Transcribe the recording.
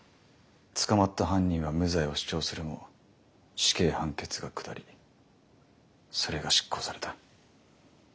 捕まった犯人は無罪を主張するも死刑判決が下りそれが執行された。